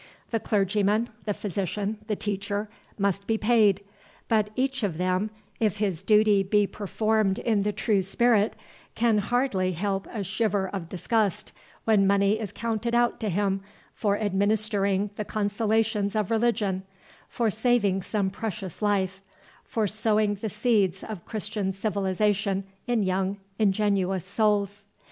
The clergyman, the physician, the teacher, must be paid; but each of them, if his duty be performed in the true spirit, can hardly help a shiver of disgust when money is counted out to him for administering the consolations of religion, for saving some precious life, for sowing the seeds of Christian civilization in young ingenuous souls.